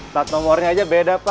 plat nomornya aja beda pak